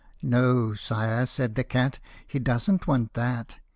" No, sire," said the cat, " He doesn't want that.